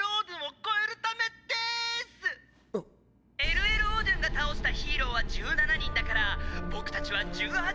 「Ｌ．Ｌ．オードゥンが倒したヒーローは１７人だから僕たちは１８人倒っす！